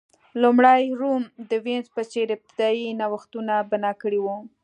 لومړی روم د وینز په څېر ابتدايي نوښتونه بنا کړي وو